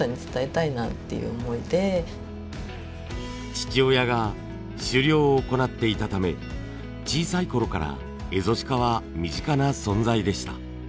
父親が狩猟を行っていたため小さいころからエゾシカは身近な存在でした。